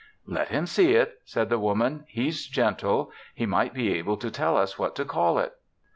"Let him see it," said the Woman. "He's gentle. He might be able to tell us what to call it."